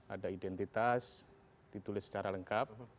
ada identitas ditulis secara lengkap